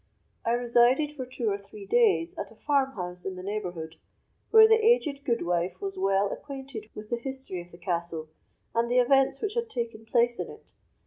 I resided for two or three days at a farmhouse in the neighbourhood, where the aged goodwife was well acquainted with the history of the castle, and the events which had taken place in it.